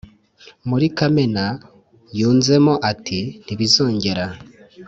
muri kamena yunzemo ati ntibizongera